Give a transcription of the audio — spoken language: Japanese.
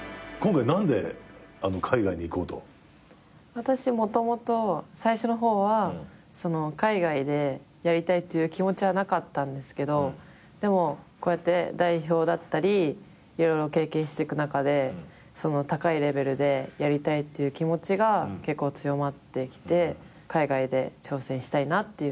私もともと最初の方は海外でやりたいっていう気持ちはなかったんですけどでもこうやって代表だったり色々経験してく中で高いレベルでやりたいって気持ちが結構強まってきて海外で挑戦したいなっていうのはありました。